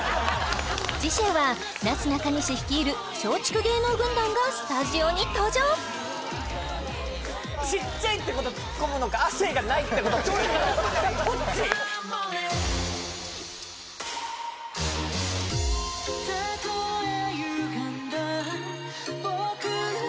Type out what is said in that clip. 次週はなすなかにし率いる松竹芸能軍団がスタジオに登場ちっちゃいってことツッコむのか亜生がないってことツッコむのかどれをツッコんだらいい？